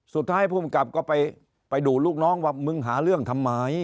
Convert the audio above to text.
ภูมิกับก็ไปดูลูกน้องว่ามึงหาเรื่องทำไม